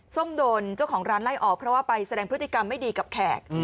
ส้มโดนเจ้าของร้านไล่ออกเพราะว่าไปแสดงพฤติกรรมไม่ดีกับแขก